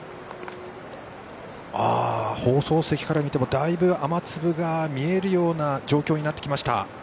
放送席から見ても、だいぶ雨粒が見えるような状況になってきました。